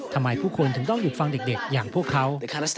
ทำไมผู้คนถึงต้องหยุดฟังเด็กอย่างพวกเขา